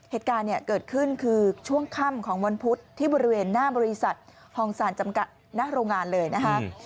เหตุการณ์เนี่ยเกิดขึ้นคือช่วงค่ำของวันพุธที่บริเวณหน้าบริษัทฮองซานจำหน้าโรงงานเลยนะคะ